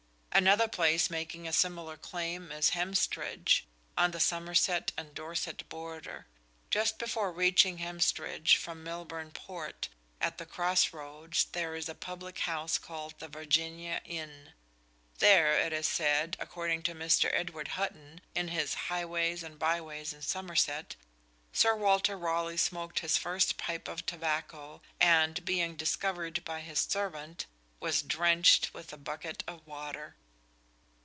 Another place making a similar claim is Hemstridge, on the Somerset and Dorset border. Just before reaching Hemstridge from Milborne Port, at the cross roads, there is a public house called the Virginia Inn. There, it is said, according to Mr. Edward Hutton, in his "Highways and Byways in Somerset," "Sir Walter Raleigh smoked his first pipe of tobacco, and, being discovered by his servant, was drenched with a bucket of water."